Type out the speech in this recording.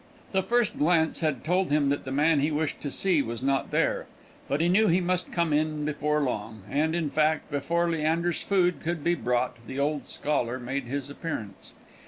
The first glance had told him that the man he wished to see was not there, but he knew he must come in before long; and, in fact, before Leander's food could be brought, the old scholar made his appearance.